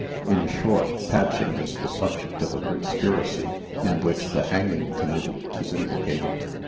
In short, Patching is the subject of a conspiracy in which the Hanging Committee is implicated.